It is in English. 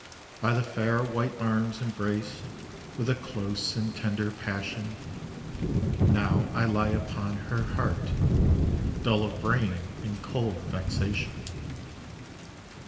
By the fair white arms embraced With a close and tender passion, Now I lie upon her heart, Dull of brain, in cold vexation.